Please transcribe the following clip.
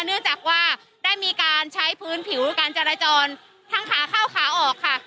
เนื่องจากว่าได้มีการใช้พื้นผิวการจราจรทั้งขาเข้าขาออกค่ะ